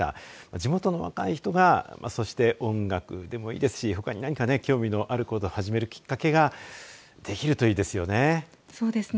地元の若い人がそして音楽でもいいですしほかに何か興味のあることを始めるきっかけができるといいですよね。